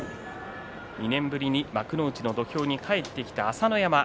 ２年ぶりに幕内の土俵に帰ってきた朝乃山。